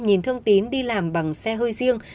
nhìn thương tín đi làm bằng xe hơi riêng